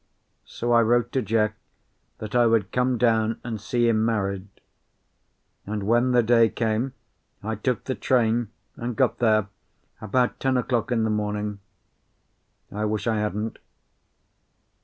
So I wrote to Jack that I would come down and see him married; and when the day came I took the train and got there about ten o'clock in the morning. I wish I hadn't.